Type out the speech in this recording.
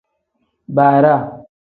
Bara.